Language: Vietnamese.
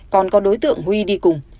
còn có đối tượng huy đi cùng